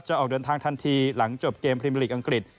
ออกเดินทางทันทีหลังจบเกมพรีมลีกอังกฤษ